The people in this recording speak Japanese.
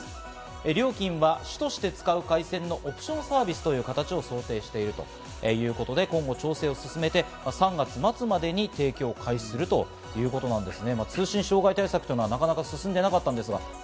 料金は主として使う回線のオプションサービスという形を想定しているということで、今後調整を進めて、３月末までに提供を開始するということなんですね。